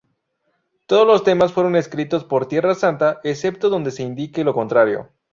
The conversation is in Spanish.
Todos los temas fueron escritos por Tierra Santa, excepto donde se indique lo contrario.